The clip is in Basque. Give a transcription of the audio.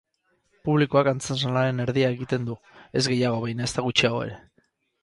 Publikoak antzezlanaren erdia egiten du, ez gehiago baina ezta gutxiago ere.